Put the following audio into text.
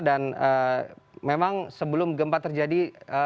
dan memang sebelum gempa terjadi